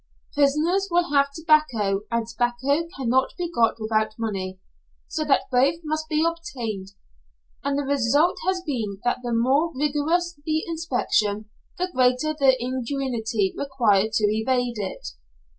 Prisoners will have tobacco, and tobacco cannot be got without money, so that both must be obtained; and the result has been that the more rigorous the inspection, the greater the ingenuity required to evade it.